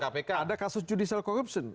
kemudian juga ada kasus judicial corruption